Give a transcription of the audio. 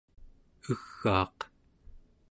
egaaq